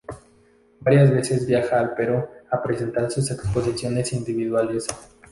Varias veces viaja al Perú a presentar sus exposiciones individuales.